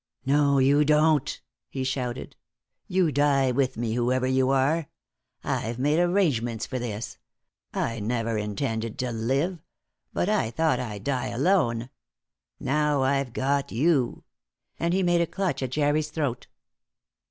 "No, you don't!" he shouted. "You die with me, whoever you are! I've made arrangements for this; I never intended to live: but I thought I'd die alone. Now I've got you!" and he made a clutch at Jerry's throat.